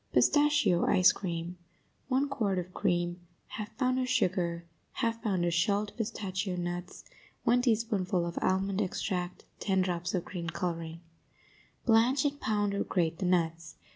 PISTACHIO ICE CREAM 1 quart of cream 1/2 pound of sugar 1/2 pound of shelled pistachio nuts 1 teaspoonful of almond extract 10 drops of green coloring Blanch and pound or grate the nuts.